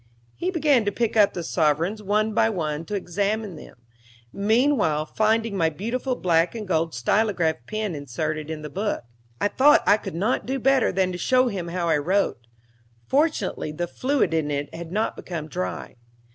He began to pick up the sovereigns one by one to examine them. Meanwhile, finding my beautiful black and gold stylograph pen inserted in the book, I thought I could not do better than to show him how I wrote. Fortunately, the fluid in it had not become dry.